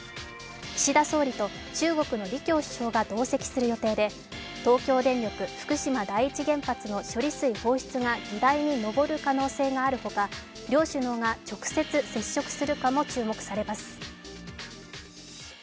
岸田総理と中国の李強首相が同席する予定で東京電力福島第一原発の処理水放出が議題に上る可能性があるほか両首脳が直接接触するかも注目されます。